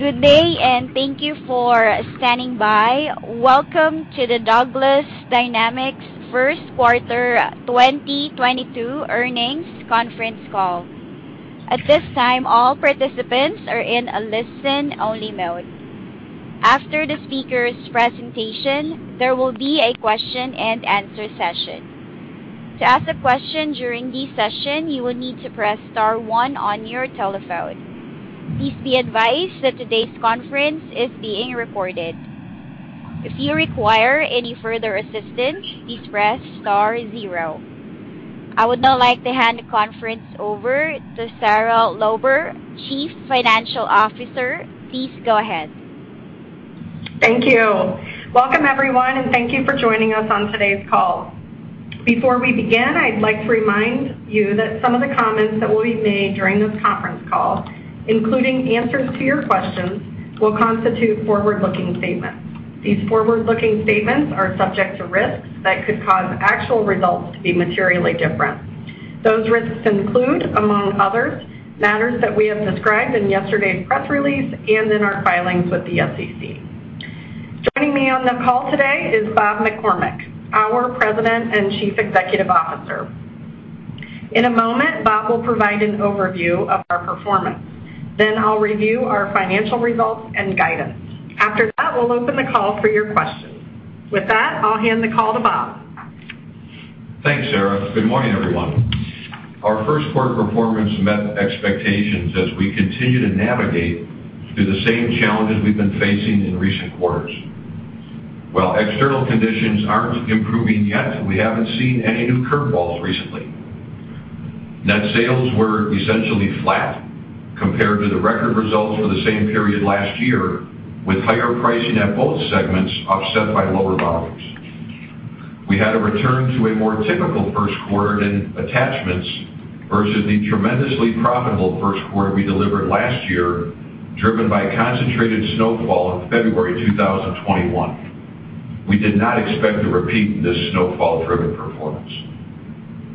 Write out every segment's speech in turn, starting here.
Good day, thank you for standing by. Welcome to the Douglas Dynamics first quarter 2022 earnings conference call. At this time, all participants are in a listen-only mode. After the speaker's presentation, there will be a question-and-answer session. To ask a question during this session, you will need to press star one on your telephone. Please be advised that today's conference is being recorded. If you require any further assistance, please press star zero. I would now like to hand the conference over to Sarah Lauber, Chief Financial Officer. Please go ahead. Thank you. Welcome, everyone, and thank you for joining us on today's call. Before we begin, I'd like to remind you that some of the comments that will be made during this conference call, including answers to your questions, will constitute forward-looking statements. These forward-looking statements are subject to risks that could cause actual results to be materially different. Those risks include, among others, matters that we have described in yesterday's press release and in our filings with the SEC. Joining me on the call today is Bob McCormick, our President and Chief Executive Officer. In a moment, Bob will provide an overview of our performance. Then I'll review our financial results and guidance. After that, we'll open the call for your questions. With that, I'll hand the call to Bob. Thanks, Sarah. Good morning, everyone. Our first quarter performance met expectations as we continue to navigate through the same challenges we've been facing in recent quarters. While external conditions aren't improving yet, we haven't seen any new curveballs recently. Net sales were essentially flat compared to the record results for the same period last year, with higher pricing at both segments offset by lower volumes. We had a return to a more typical first quarter in attachments versus the tremendously profitable first quarter we delivered last year, driven by concentrated snowfall in February 2021. We did not expect to repeat this snowfall-driven performance.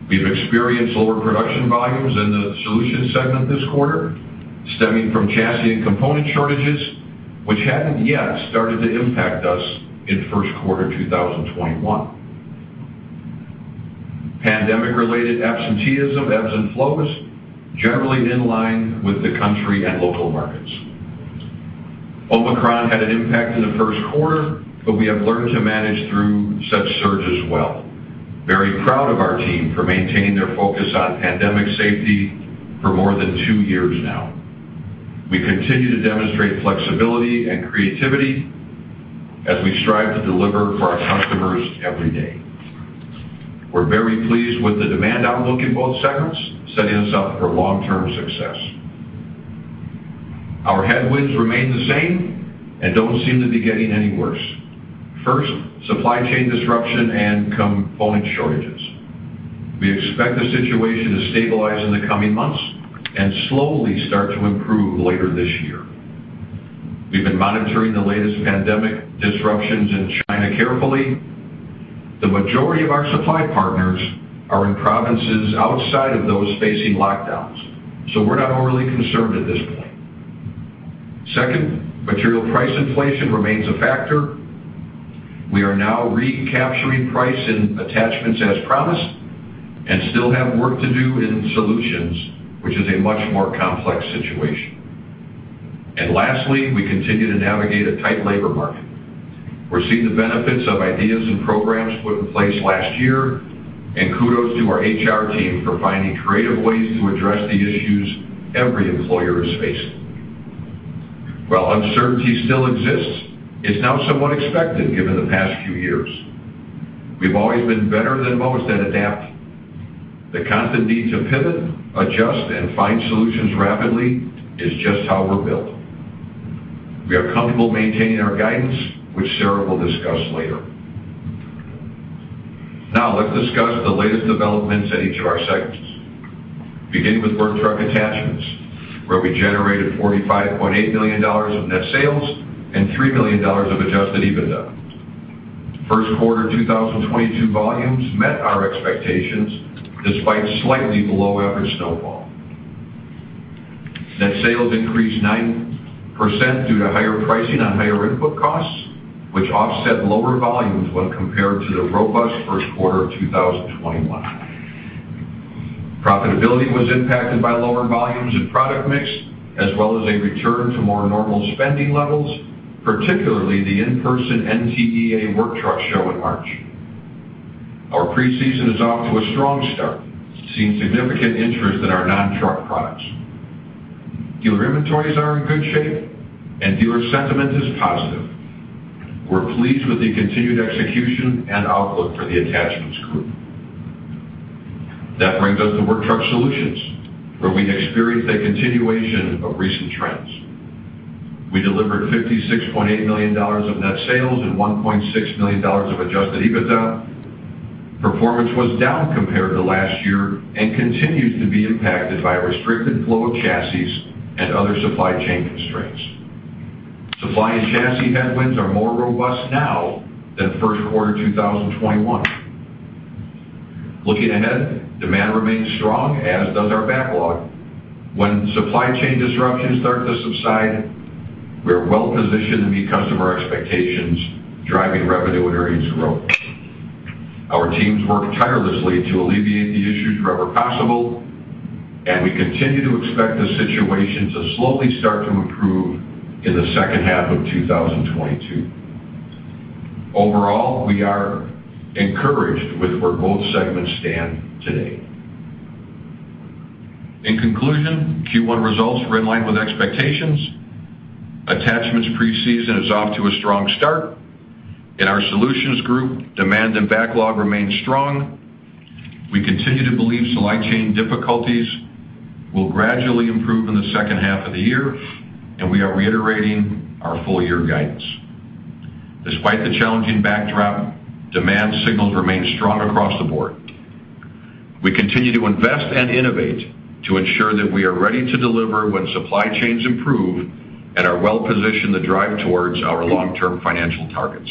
We've experienced lower production volumes in the solutions segment this quarter, stemming from chassis and component shortages, which hadn't yet started to impact us in first quarter 2021. Pandemic-related absenteeism ebbs and flows, generally in line with the country and local markets. Omicron had an impact in the first quarter, but we have learned to manage through such surges well. Very proud of our team for maintaining their focus on pandemic safety for more than two years now. We continue to demonstrate flexibility and creativity as we strive to deliver for our customers every day. We're very pleased with the demand outlook in both segments, setting us up for long-term success. Our headwinds remain the same and don't seem to be getting any worse. First, supply chain disruption and component shortages. We expect the situation to stabilize in the coming months and slowly start to improve later this year. We've been monitoring the latest pandemic disruptions in China carefully. The majority of our supply partners are in provinces outside of those facing lockdowns, so we're not overly concerned at this point. Second, material price inflation remains a factor. We are now recapturing price in attachments as promised and still have work to do in solutions, which is a much more complex situation. Lastly, we continue to navigate a tight labor market. We're seeing the benefits of ideas and programs put in place last year, and kudos to our HR team for finding creative ways to address the issues every employer is facing. While uncertainty still exists, it's now somewhat expected given the past few years. We've always been better than most at adapting. The constant need to pivot, adjust, and find solutions rapidly is just how we're built. We are comfortable maintaining our guidance, which Sarah will discuss later. Now, let's discuss the latest developments at each of our segments. Beginning with Work Truck Attachments, where we generated $45.8 million of net sales and $3 million of adjusted EBITDA. First quarter 2022 volumes met our expectations despite slightly below average snowfall. Net sales increased 9% due to higher pricing on higher input costs, which offset lower volumes when compared to the robust first quarter of 2021. Profitability was impacted by lower volumes and product mix, as well as a return to more normal spending levels, particularly the in-person NTEA Work Truck Week in March. Our preseason is off to a strong start, seeing significant interest in our non-truck products. Dealer inventories are in good shape and dealer sentiment is positive. We're pleased with the continued execution and outlook for the attachments group. That brings us to Work Truck Solutions, where we experienced a continuation of recent trends. We delivered $56.8 million of net sales and $1.6 million of adjusted EBITDA. Performance was down compared to last year and continues to be impacted by a restricted flow of chassis and other supply chain constraints. Supply and chassis headwinds are more robust now than first quarter 2021. Looking ahead, demand remains strong, as does our backlog. When supply chain disruptions start to subside, we are well-positioned to meet customer expectations, driving revenue and earnings growth. Our teams work tirelessly to alleviate the issues wherever possible, and we continue to expect the situation to slowly start to improve in the second half of 2022. Overall, we are encouraged with where both segments stand today. In conclusion, Q1 results were in line with expectations. Attachments preseason is off to a strong start. In our Solutions group, demand and backlog remain strong. We continue to believe supply chain difficulties will gradually improve in the second half of the year, and we are reiterating our full year guidance. Despite the challenging backdrop, demand signals remain strong across the board. We continue to invest and innovate to ensure that we are ready to deliver when supply chains improve and are well-positioned to drive towards our long-term financial targets.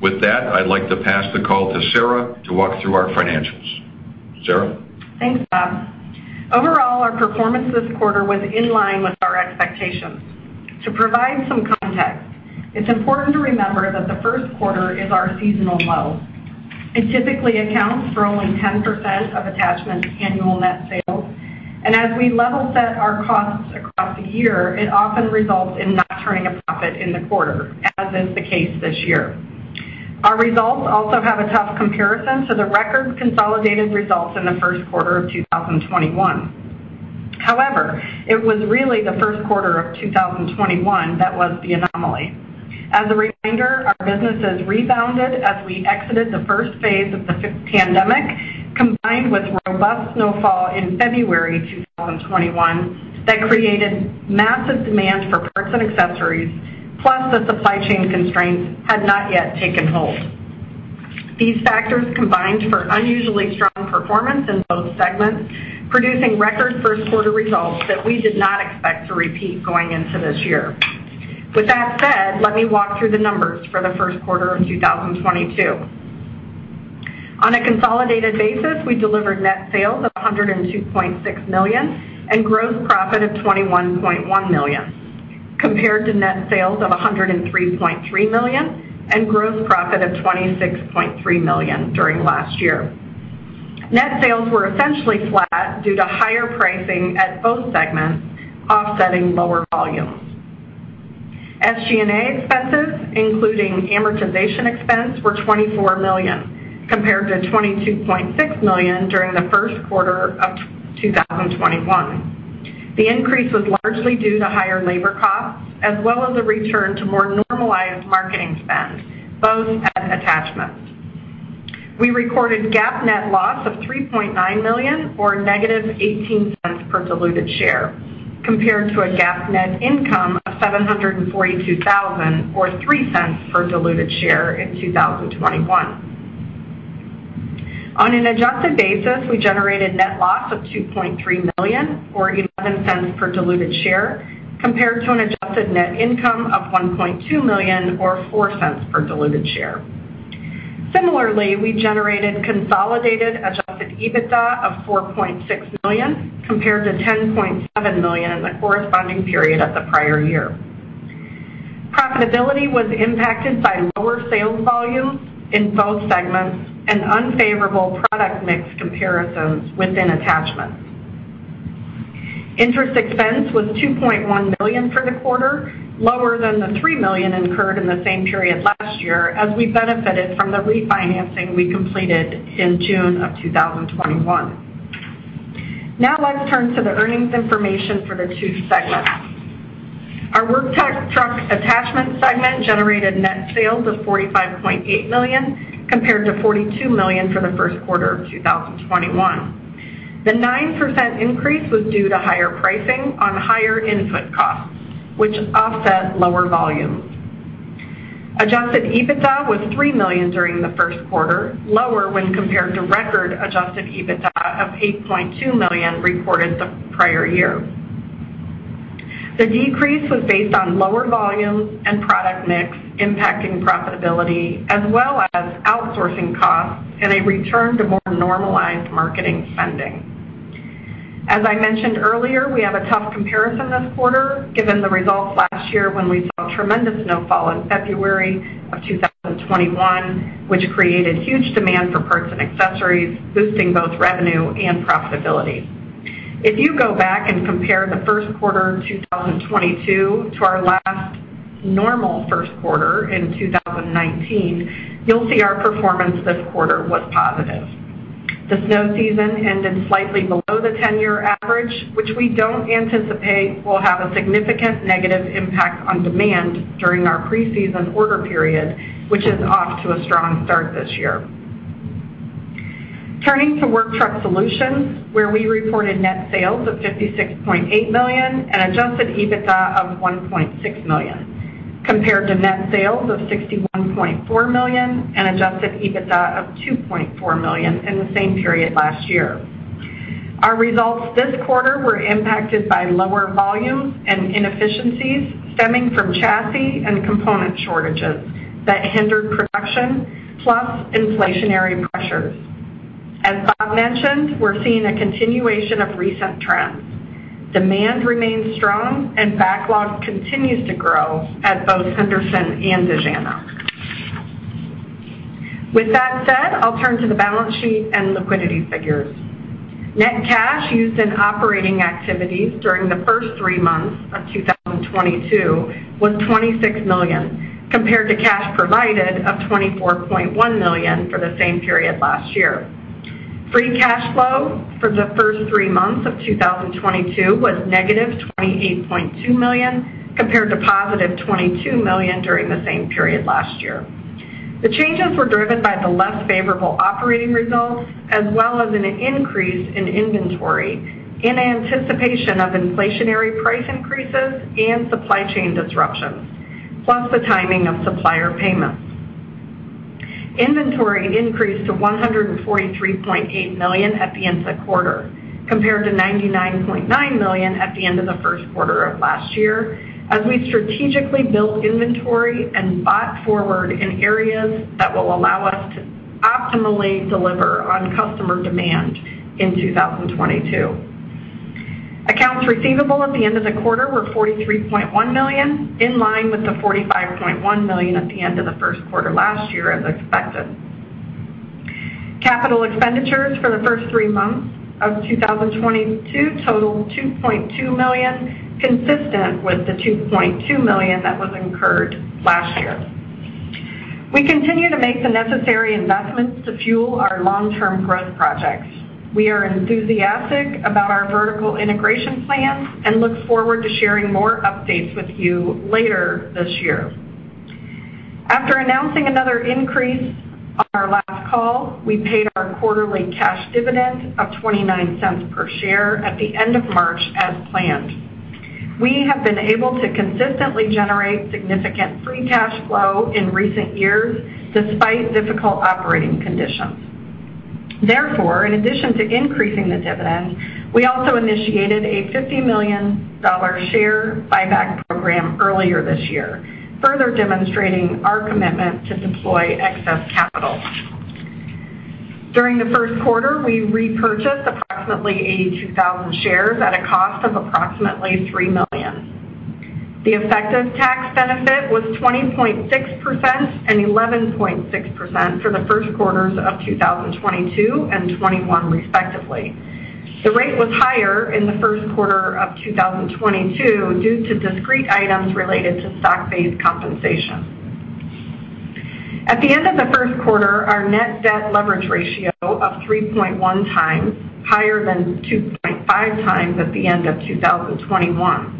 With that, I'd like to pass the call to Sarah to walk through our financials. Sarah? Thanks, Bob. Overall, our performance this quarter was in line with our expectations. To provide some context, it's important to remember that the first quarter is our seasonal low. It typically accounts for only 10% of Attachments annual net sales, and as we level set our costs across the year, it often results in not turning a profit in the quarter, as is the case this year. Our results also have a tough comparison to the record consolidated results in the first quarter of 2021. However, it was really the first quarter of 2021 that was the anomaly. As a reminder, our businesses rebounded as we exited the first phase of the pandemic, combined with robust snowfall in February 2021 that created massive demand for parts and accessories, plus the supply chain constraints had not yet taken hold. These factors combined for unusually strong performance in both segments, producing record first quarter results that we did not expect to repeat going into this year. With that said, let me walk through the numbers for the first quarter of 2022. On a consolidated basis, we delivered net sales of $102.6 million and gross profit of $21.1 million, compared to net sales of $103.3 million and gross profit of $26.3 million during last year. Net sales were essentially flat due to higher pricing at both segments, offsetting lower volumes. SG&A expenses, including amortization expense, were $24 million compared to $22.6 million during the first quarter of 2021. The increase was largely due to higher labor costs as well as a return to more normalized marketing spend, both at Attachments. We recorded GAAP net loss of $3.9 million or -$0.18 per diluted share, compared to a GAAP net income of $742,000 or $0.03 per diluted share in 2021. On an adjusted basis, we generated net loss of $2.3 million or $0.11 per diluted share, compared to an adjusted net income of $1.2 million or $0.04 per diluted share. Similarly, we generated consolidated adjusted EBITDA of $4.6 million compared to $10.7 million in the corresponding period of the prior year. Profitability was impacted by lower sales volumes in both segments and unfavorable product mix comparisons within Attachments. Interest expense was $2.1 million for the quarter, lower than the $3 million incurred in the same period last year as we benefited from the refinancing we completed in June of 2021. Now let's turn to the earnings information for the two segments. Our Work Truck Attachments segment generated net sales of $45.8 million compared to $42 million for the first quarter of 2021. The 9% increase was due to higher pricing on higher input costs, which offset lower volumes. Adjusted EBITDA was $3 million during the first quarter, lower when compared to record adjusted EBITDA of $8.2 million reported the prior year. The decrease was based on lower volumes and product mix impacting profitability as well as outsourcing costs and a return to more normalized marketing spending. As I mentioned earlier, we have a tough comparison this quarter given the results last year when we saw tremendous snowfall in February of 2021, which created huge demand for parts and accessories, boosting both revenue and profitability. If you go back and compare the first quarter of 2022 to our last normal first quarter in 2019, you'll see our performance this quarter was positive. The snow season ended slightly below the 10-year average, which we don't anticipate will have a significant negative impact on demand during our preseason order period, which is off to a strong start this year. Turning to Work Truck Solutions, where we reported net sales of $56.8 million and adjusted EBITDA of $1.6 million, compared to net sales of $61.4 million and adjusted EBITDA of $2.4 million in the same period last year. Our results this quarter were impacted by lower volumes and inefficiencies stemming from chassis and component shortages that hindered production, plus inflationary pressures. As Bob mentioned, we're seeing a continuation of recent trends. Demand remains strong and backlog continues to grow at both Henderson and Dejana. With that said, I'll turn to the balance sheet and liquidity figures. Net cash used in operating activities during the first three months of 2022 was $26 million, compared to cash provided of $24.1 million for the same period last year. Free cash flow for the first three months of 2022 was -$28.2 million, compared to $22 million during the same period last year. The changes were driven by the less favorable operating results, as well as an increase in inventory in anticipation of inflationary price increases and supply chain disruptions, plus the timing of supplier payments. Inventory increased to $143.8 million at the end of the quarter, compared to $99.9 million at the end of the first quarter of last year, as we strategically built inventory and bought forward in areas that will allow us to optimally deliver on customer demand in 2022. Accounts receivable at the end of the quarter were $43.1 million, in line with the $45.1 million at the end of the first quarter last year, as expected. Capital expenditures for the first three months of 2022 totaled $2.2 million, consistent with the $2.2 million that was incurred last year. We continue to make the necessary investments to fuel our long-term growth projects. We are enthusiastic about our vertical integration plans and look forward to sharing more updates with you later this year. After announcing another increase on our last call, we paid our quarterly cash dividend of $0.29 per share at the end of March as planned. We have been able to consistently generate significant free cash flow in recent years despite difficult operating conditions. Therefore, in addition to increasing the dividend, we also initiated a $50 million share buyback program earlier this year, further demonstrating our commitment to deploy excess capital. During the first quarter, we repurchased approximately 82,000 shares at a cost of approximately $3 million. The effective tax benefit was 20.6% and 11.6% for the first quarters of 2022 and 2021 respectively. The rate was higher in the first quarter of 2022 due to discrete items related to stock-based compensation. At the end of the first quarter, our net debt leverage ratio of 3.1x, higher than 2.5x at the end of 2021.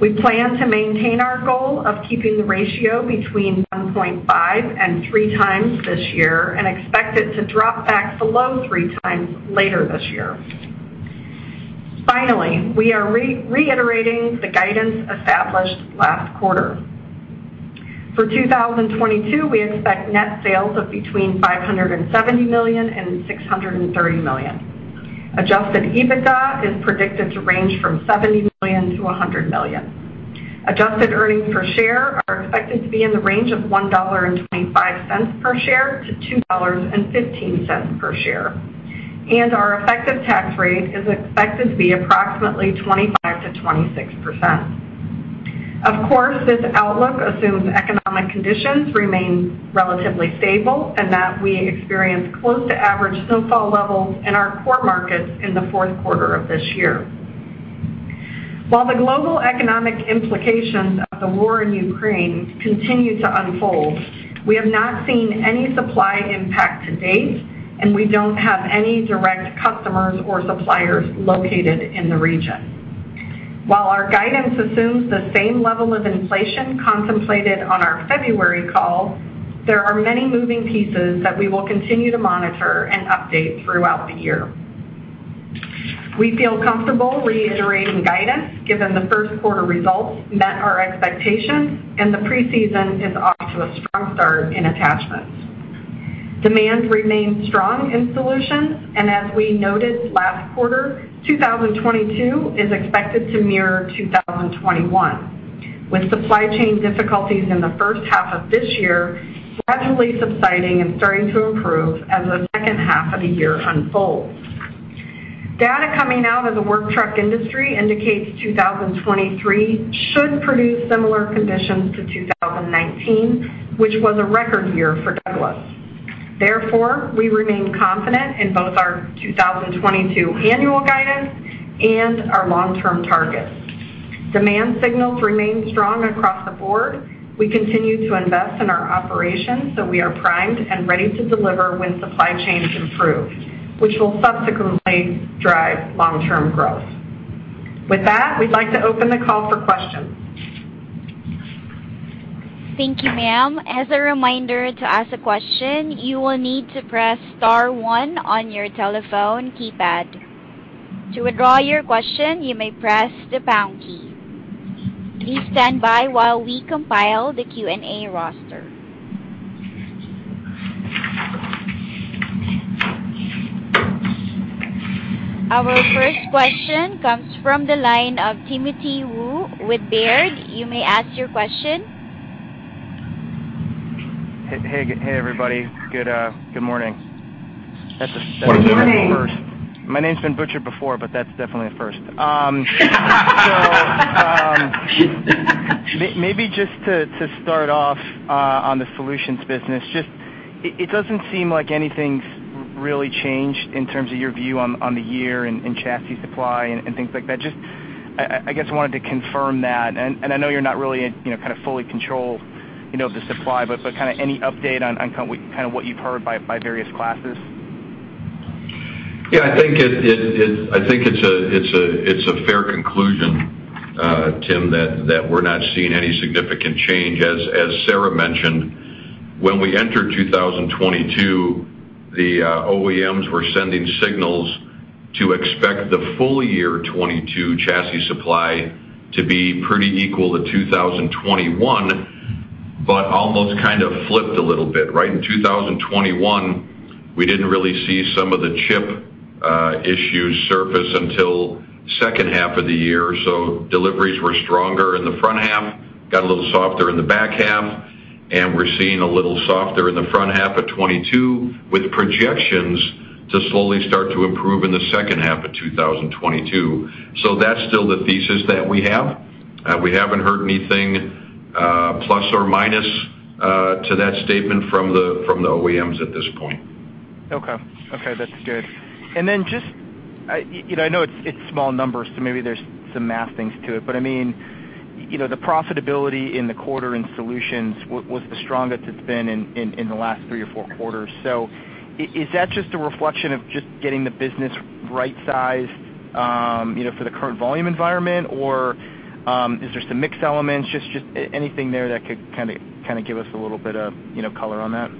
We plan to maintain our goal of keeping the ratio between 1.5x and 3x this year and expect it to drop back below 3x later this year. Finally, we are reiterating the guidance established last quarter. For 2022, we expect net sales of between $570 million and $630 million. Adjusted EBITDA is predicted to range from $70 million-$100 million. Adjusted earnings per share are expected to be in the range of $1.25 per share to $2.15 per share. Our effective tax rate is expected to be approximately 25%-26%. Of course, this outlook assumes economic conditions remain relatively stable and that we experience close to average snowfall levels in our core markets in the fourth quarter of this year. While the global economic implications of the war in Ukraine continue to unfold, we have not seen any supply impact to date, and we don't have any direct customers or suppliers located in the region. While our guidance assumes the same level of inflation contemplated on our February call, there are many moving pieces that we will continue to monitor and update throughout the year. We feel comfortable reiterating guidance given the first quarter results met our expectations and the preseason is off to a strong start in attachments. Demand remains strong in solutions, and as we noted last quarter, 2022 is expected to mirror 2021, with supply chain difficulties in the first half of this year gradually subsiding and starting to improve as the second half of the year unfolds. Data coming out of the work truck industry indicates 2023 should produce similar conditions to 2019, which was a record year for Douglas. Therefore, we remain confident in both our 2022 annual guidance and our long-term targets. Demand signals remain strong across the board. We continue to invest in our operations, so we are primed and ready to deliver when supply chains improve, which will subsequently drive long-term growth. With that, we'd like to open the call for questions. Thank you, ma'am. As a reminder, to ask a question, you will need to press star one on your telephone keypad. To withdraw your question, you may press the pound key. Please stand by while we compile the Q&A roster. Our first question comes from the line of Timothy Wojs with Baird. You may ask your question. Hey, everybody. Good morning. Good morning. Goodmorning That's a first. My name's been butchered before, but that's definitely a first. Maybe just to start off on the solutions business, just it doesn't seem like anything's really changed in terms of your view on the year and chassis supply and things like that. I guess I wanted to confirm that. I know you're not really, you know, kind of fully control, you know, the supply, but kinda any update on kind of what you've heard by various classes? Yeah, I think it's a fair conclusion, Tim, that we're not seeing any significant change. As Sarah mentioned, when we entered 2022, the OEMs were sending signals to expect the full year 2022 chassis supply to be pretty equal to 2021, but almost kind of flipped a little bit, right? In 2021, we didn't really see some of the chip issues surface until second half of the year. So deliveries were stronger in the front half, got a little softer in the back half, and we're seeing a little softer in the front half of 2022, with projections to slowly start to improve in the second half of 2022. So that's still the thesis that we have. We haven't heard anything, plus or minus, to that statement from the OEMs at this point. Okay. Okay, that's good. You know, I know it's small numbers, so maybe there's some math things to it. I mean, you know, the profitability in the quarter in solutions was the strongest it's been in the last three or four quarters. Is that just a reflection of just getting the business right-sized, you know, for the current volume environment? Or is there some mix elements? Just anything there that could kinda give us a little bit of, you know, color on that?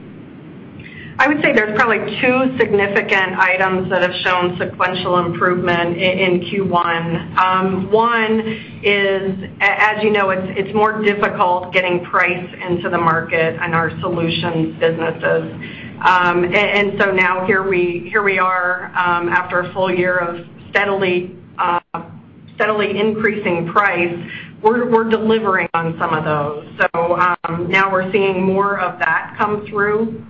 I would say there's probably two significant items that have shown sequential improvement in Q1. One is, as you know, it's more difficult getting price into the market on our solutions businesses. And so now here we are, after a full year of steadily increasing price, we're delivering on some of those. Now we're seeing more of that come through.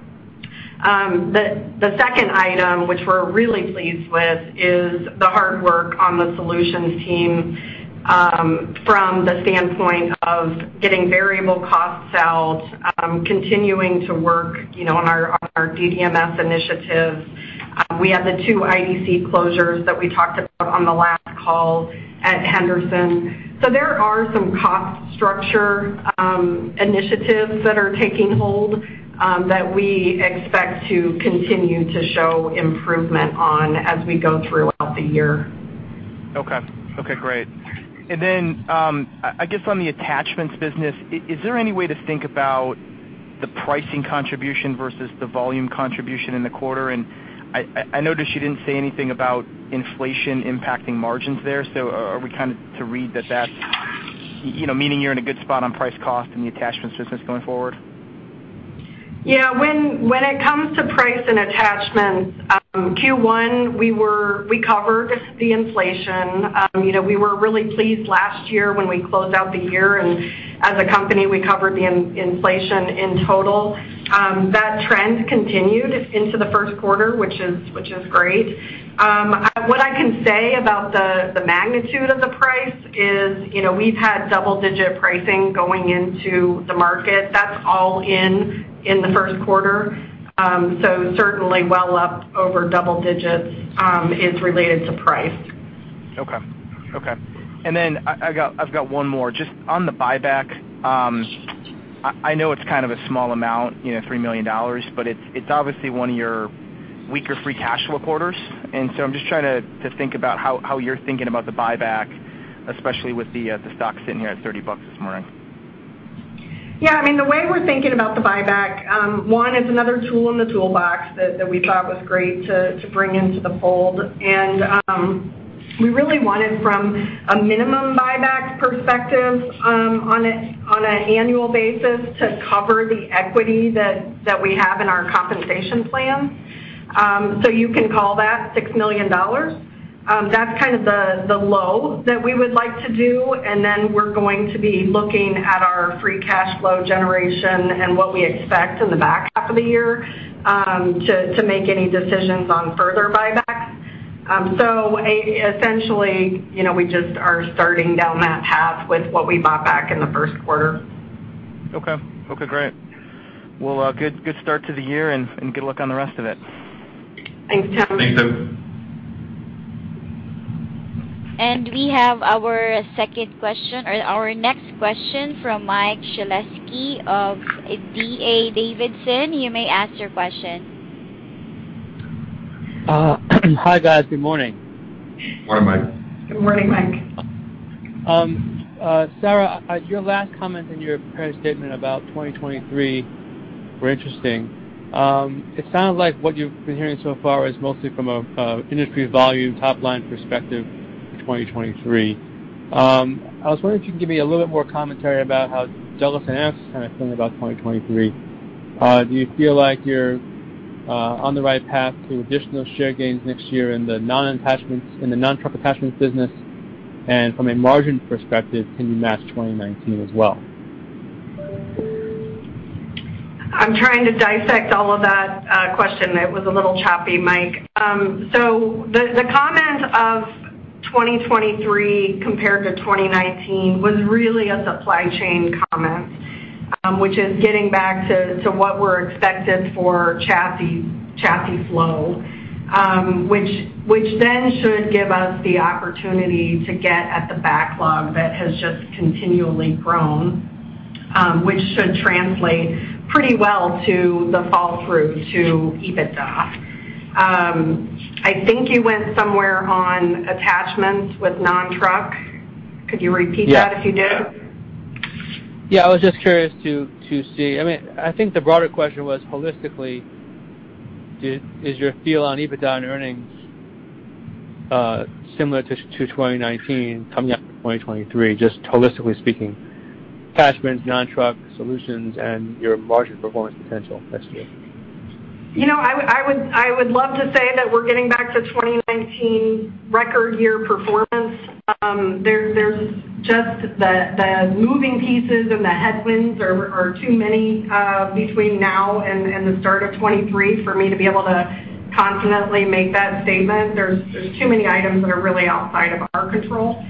The second item which we're really pleased with is the hard work on the solutions team, from the standpoint of getting variable costs out, continuing to work, you know, on our DDMS initiatives. We had the two IDC closures that we talked about on the last call at Henderson. There are some cost structure initiatives that are taking hold that we expect to continue to show improvement on as we go throughout the year. Okay. Okay, great. I guess on the attachments business, is there any way to think about the pricing contribution versus the volume contribution in the quarter? I noticed you didn't say anything about inflation impacting margins there. Are we kind of to read that that's you know, meaning you're in a good spot on price cost in the attachments business going forward? Yeah, when it comes to price and attachments, Q1, we covered the inflation. You know, we were really pleased last year when we closed out the year, and as a company, we covered the inflation in total. That trend continued into the first quarter, which is great. What I can say about the magnitude of the price is, you know, we've had double-digit pricing going into the market. That's all in the first quarter. So certainly well up over double digits is related to price. Okay. Okay. I've got one more. Just on the buyback, I know it's kind of a small amount, you know, $3 million, but it's obviously one of your weaker free cash flow quarters. I'm just trying to think about how you're thinking about the buyback, especially with the stock sitting here at $30 this morning. Yeah, I mean, the way we're thinking about the buyback, one, it's another tool in the toolbox that we thought was great to bring into the fold. We really wanted from a minimum buyback perspective, on an annual basis, to cover the equity that we have in our compensation plan. You can call that $6 million. That's kind of the low that we would like to do, and then we're going to be looking at our free cash flow generation and what we expect in the back half of the year, to make any decisions on further buybacks. Essentially, you know, we just are starting down that path with what we bought back in the first quarter. Okay. Okay, great. Well, good start to the year, and good luck on the rest of it. Thanks, Tim. Thanks, Tim. We have our second question, or our next question from Mike Shlisky of D.A. Davidson. You may ask your question. Hi, guys. Good morning. Good morning, Mike. Good morning, Mike. Sarah, your last comment in your prepared statement about 2023 were interesting. It sounded like what you've been hearing so far is mostly from an industry volume top-line perspective 2023. I was wondering if you could give me a little bit more commentary about how Dejana and Henderson are feeling about 2023. Do you feel like you're on the right path to additional share gains next year in the non-attachments, in the non-truck attachments business? And from a margin perspective, can you match 2019 as well? I'm trying to dissect all of that question. It was a little choppy, Mike. The comment of 2023 compared to 2019 was really a supply chain comment, which is getting back to what we expect for chassis flow, which then should give us the opportunity to get at the backlog that has just continually grown, which should translate pretty well to the flow-through to EBITDA. I think you went somewhere on attachments with non-truck. Could you repeat that if you did? Yeah. I was just curious to see. I mean, I think the broader question was holistically, is your feel on EBITDA and earnings similar to 2019 coming up to 2023, just holistically speaking, attachments, non-truck solutions, and your margin performance potential next year. You know, I would love to say that we're getting back to 2019 record year performance. There's just the moving pieces and the headwinds are too many between now and the start of 2023 for me to be able to confidently make that statement. There's too many items that are really outside of our control.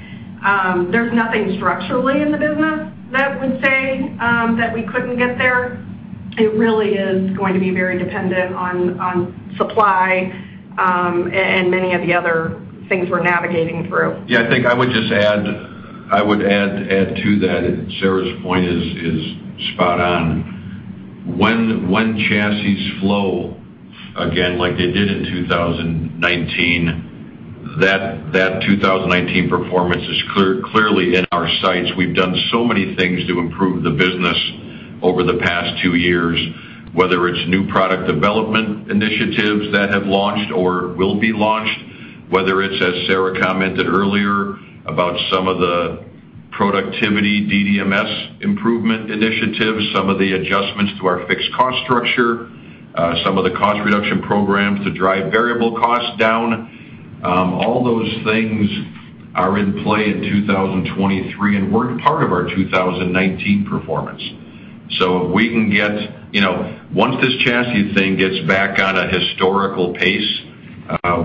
There's nothing structurally in the business that would say that we couldn't get there. It really is going to be very dependent on supply and many of the other things we're navigating through. Yeah. I think I would just add to that. Sarah's point is spot on. When chassis flow again like they did in 2019, that 2019 performance is clearly in our sights. We've done so many things to improve the business over the past two years, whether it's new product development initiatives that have launched or will be launched, whether it's, as Sarah commented earlier, about some of the productivity DDMS improvement initiatives, some of the adjustments to our fixed cost structure, some of the cost reduction programs to drive variable costs down. All those things are in play in 2023, and we're part of our 2019 performance. If we can get. You know, once this chassis thing gets back on a historical pace,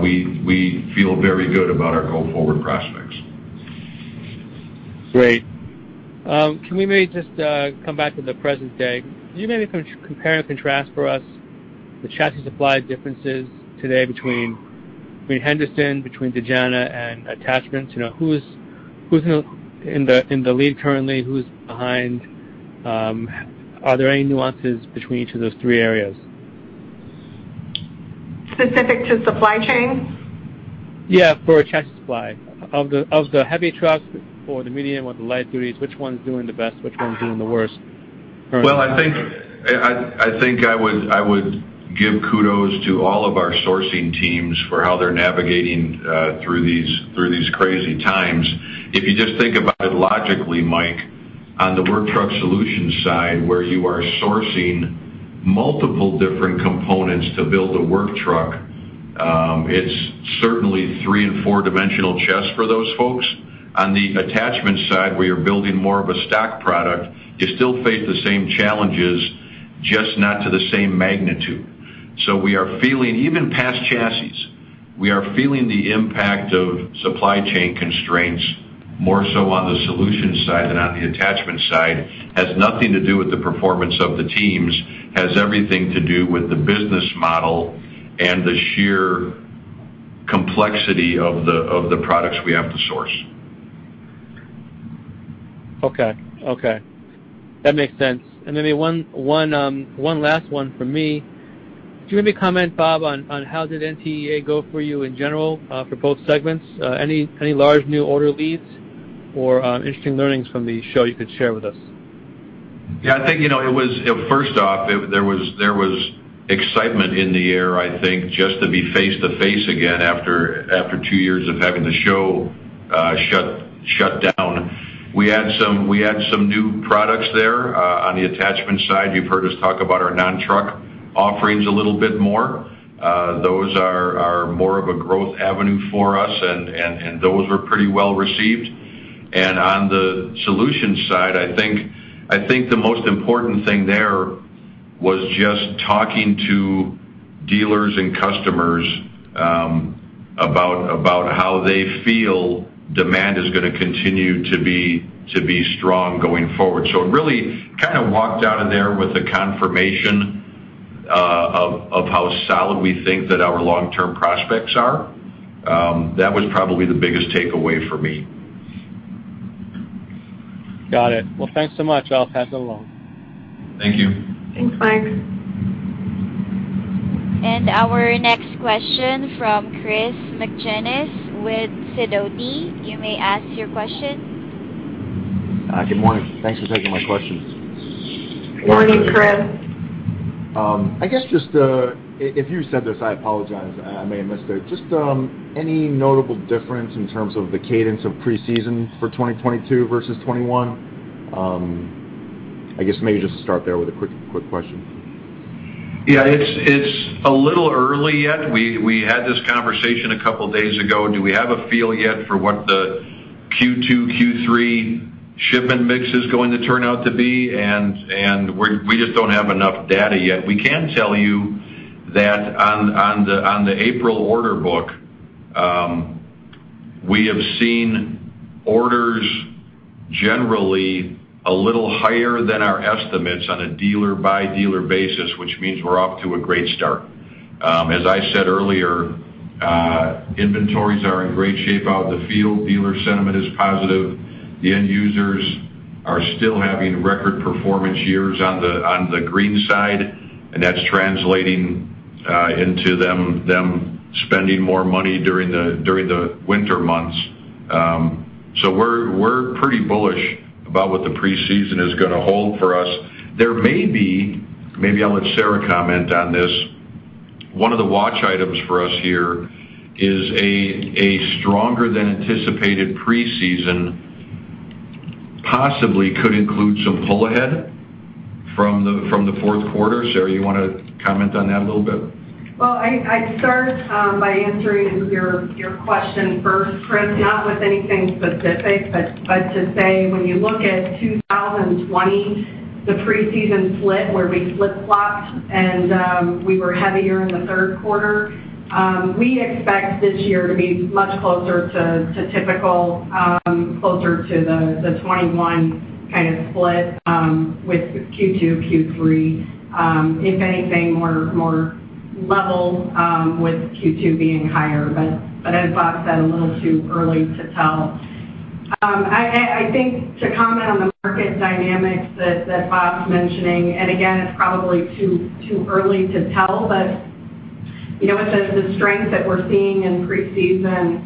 we feel very good about our go-forward prospects. Great. Can we maybe just come back to the present day? Can you maybe compare and contrast for us the chassis supply differences today between Henderson Products, Dejana, and Work Truck Attachments? You know, who's in the lead currently? Who's behind? Are there any nuances between each of those three areas? Specific to supply chain? Yeah, for chassis supply. Of the heavy trucks or the medium or the light duties, which one's doing the best, which one's doing the worst currently? I think I would give kudos to all of our sourcing teams for how they're navigating through these crazy times. If you just think about it logically, Mike, on the Work Truck Solutions side, where you are sourcing multiple different components to build a work truck, it's certainly three- and four-dimensional chess for those folks. On the Work Truck Attachments side, where you're building more of a stock product, you still face the same challenges, just not to the same magnitude. We are feeling the impact of supply chain constraints even past chassis, more so on the Work Truck Solutions side than on the Work Truck Attachments side. It has nothing to do with the performance of the teams. It has everything to do with the business model and the sheer complexity of the products we have to source. Okay. That makes sense. One last one for me. Do you want me to comment, Bob, on how did NTEA go for you in general, for both segments? Any large new order leads or interesting learnings from the show you could share with us? Yeah, I think, you know, it was. First off, there was excitement in the air, I think, just to be face to face again after two years of having the show shut down. We had some new products there on the attachment side. You've heard us talk about our non-truck offerings a little bit more. Those are more of a growth avenue for us, and those were pretty well-received. On the solutions side, I think the most important thing there was just talking to dealers and customers about how they feel demand is gonna continue to be strong going forward. Really kind of walked out of there with a confirmation of how solid we think that our long-term prospects are. That was probably the biggest takeaway for me. Got it. Well, thanks so much. I'll pass it along. Thank you. Thanks, Mike. Our next question from Chris McGinnis with Sidoti. You may ask your question. Good morning. Thanks for taking my questions. Morning, Chris. I guess just, if you said this, I apologize. I may have missed it. Just, any notable difference in terms of the cadence of preseason for 2022 versus 2021? I guess maybe just start there with a quick question. Yeah. It's a little early yet. We had this conversation a couple days ago. Do we have a feel yet for what the Q2, Q3 shipment mix is going to turn out to be? We're just don't have enough data yet. We can tell you that on the April order book, we have seen orders generally a little higher than our estimates on a dealer by dealer basis, which means we're off to a great start. As I said earlier, inventories are in great shape out in the field. Dealer sentiment is positive. The end users are still having record performance years on the green side, and that's translating into them spending more money during the winter months. We're pretty bullish about what the preseason is gonna hold for us. There may be. Maybe I'll let Sarah comment on this. One of the watch items for us here is a stronger than anticipated preseason possibly could include some pull ahead from the fourth quarter. Sarah, you wanna comment on that a little bit? Well, I'd start by answering your question first, Chris, not with anything specific, but to say when you look at 2020, the preseason split, where we flip-flopped and we were heavier in the third quarter, we expect this year to be much closer to typical, closer to the 2021 kind of split, with Q2, Q3. If anything, more level, with Q2 being higher. As Bob said, a little too early to tell. I think to comment on the market dynamics that Bob's mentioning, and again, it's probably too early to tell, you know, with the strength that we're seeing in preseason,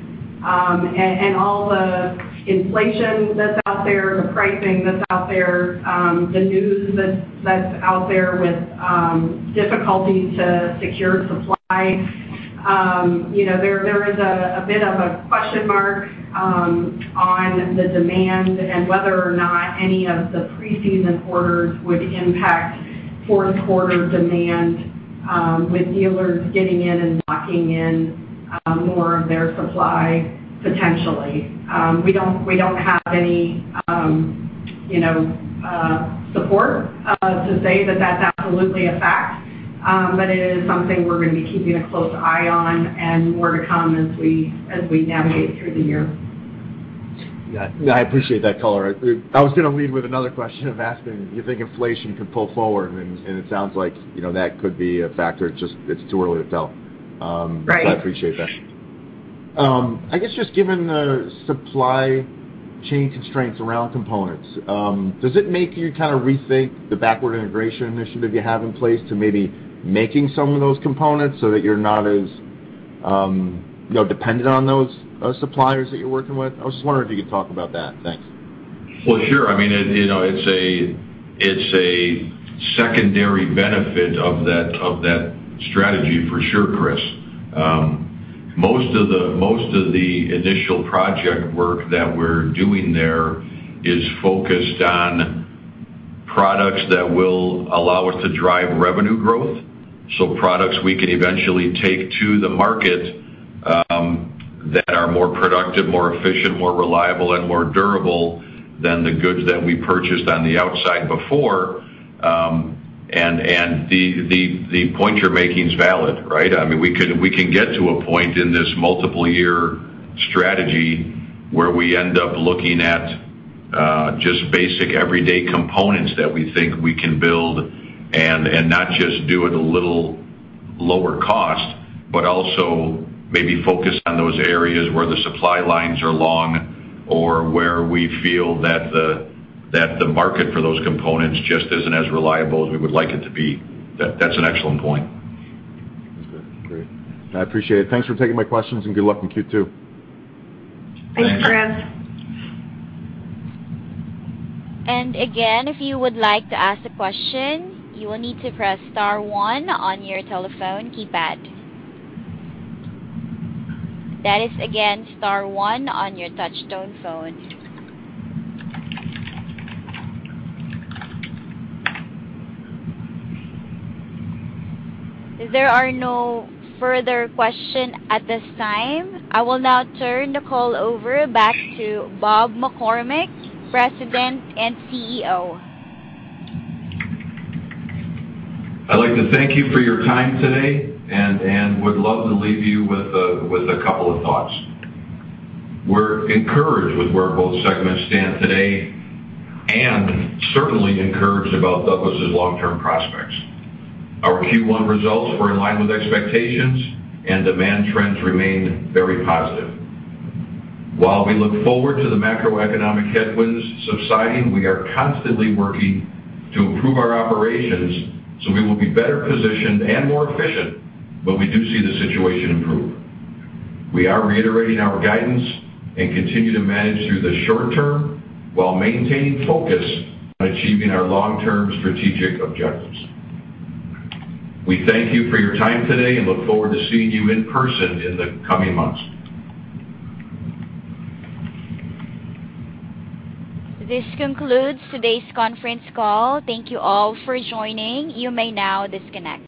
and all the inflation that's out there, the pricing that's out there, the news that's out there with difficulty to secure supply, you know, there is a bit of a question mark on the demand and whether or not any of the preseason orders would impact fourth quarter demand, with dealers getting in and locking in more of their supply potentially. We don't have any, you know, support to say that that's absolutely a fact, but it is something we're gonna be keeping a close eye on and more to come as we navigate through the year. Yeah. No, I appreciate that color. I was gonna lead with another question of asking, do you think inflation can pull forward? It sounds like, you know, that could be a factor. It's just too early to tell. Right. I appreciate that. I guess just given the supply chain constraints around components, does it make you kind of rethink the backward integration initiative you have in place to maybe making some of those components so that you're not as, you know, dependent on those, suppliers that you're working with? I was just wondering if you could talk about that. Thanks. Well, sure. I mean, you know, it's a secondary benefit of that strategy for sure, Chris. Most of the initial project work that we're doing there is focused on products that will allow us to drive revenue growth, so products we can eventually take to the market, that are more productive, more efficient, more reliable, and more durable than the goods that we purchased on the outside before. The point you're making is valid, right? I mean, we can get to a point in this multiple year strategy where we end up looking at just basic everyday components that we think we can build, and not just do it a little lower cost, but also maybe focus on those areas where the supply lines are long or where we feel that the market for those components just isn't as reliable as we would like it to be. That's an excellent point. Okay. Great. I appreciate it. Thanks for taking my questions, and good luck in Q2. Thanks. Thanks, Chris. Again, if you would like to ask a question, you will need to press star one on your telephone keypad. That is, again, star one on your touchtone phone. There are no further question at this time. I will now turn the call over back to Bob McCormick, President and CEO. I'd like to thank you for your time today and would love to leave you with a couple of thoughts. We're encouraged with where both segments stand today and certainly encouraged about Douglas's long-term prospects. Our Q1 results were in line with expectations and demand trends remained very positive. While we look forward to the macroeconomic headwinds subsiding, we are constantly working to improve our operations, so we will be better positioned and more efficient when we do see the situation improve. We are reiterating our guidance and continue to manage through the short term while maintaining focus on achieving our long-term strategic objectives. We thank you for your time today and look forward to seeing you in person in the coming months. This concludes today's conference call. Thank you all for joining. You may now disconnect.